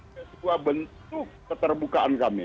sebuah bentuk keterbukaan kami